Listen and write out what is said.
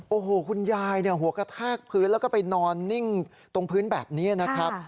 โอ้โหคุณยายหัวกระแทกพื้นแล้วก็ไปนอนนิ่งตรงพื้นแบบนี้นะครับ